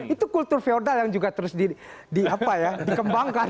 itu kultur feodal yang juga terus dikembangkan